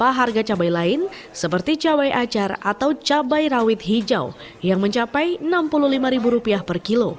harga cabai lain seperti cabai acar atau cabai rawit hijau yang mencapai rp enam puluh lima per kilo